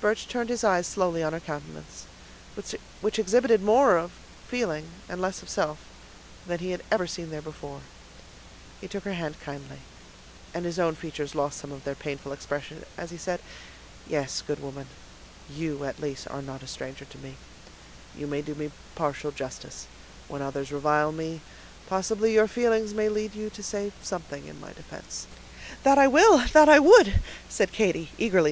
Birch turned his eyes slowly on her countenance, which exhibited more of feeling, and less of self, than he had ever seen there before; he took her hand kindly, and his own features lost some of their painful expression, as he said,— "Yes, good woman, you, at least, are not a stranger to me; you may do me partial justice; when others revile me possibly your feelings may lead you to say something in my defense." "That I will; that I would!" said Katy, eagerly.